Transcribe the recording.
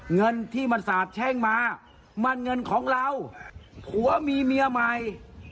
เงินที่มันสาบแช่งมามันเงินของเราผัวมีเมียใหม่